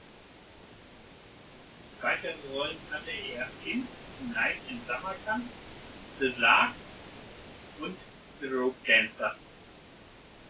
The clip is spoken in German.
Weitere Rollen hatte er in "Tonight in Samarkand", "The Lark" und "The Rope Dancers".